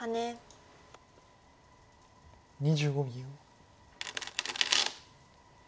２５秒。